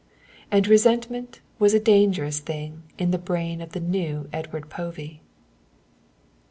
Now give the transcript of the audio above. And resentment was a dangerous thing in the brain of the new Edward Povey.